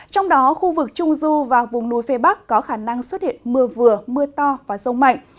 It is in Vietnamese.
trong đó khu vực trung du và vùng núi phía bắc có khả năng xuất hiện mưa vừa mưa to và rông mạnh